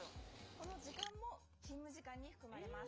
この時間も勤務時間に含まれます。